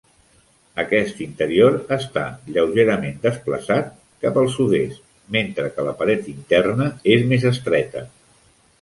Aquest interior està lleugerament desplaçat cap als sud-est, mentre que la paret interna és més estreta.